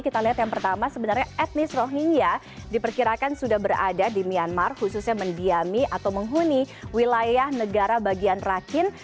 kita lihat yang pertama sebenarnya etnis rohingya diperkirakan sudah berada di myanmar khususnya mendiami atau menghuni wilayah negara bagian rakin